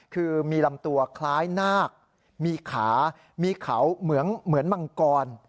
คือมีลำตัวคล้ายนาคมีขามีเขาเหมือนมังกร